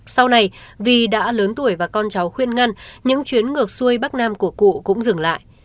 sau này vì đã lớn tuổi và con cháu khuyên ngân những chuyến ngược xuôi bắc nam của cụ cũng dừng lại